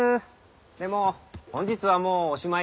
でも本日はもうおしまいですよォー。